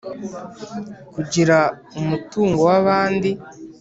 kuragira umutungo w’abandi,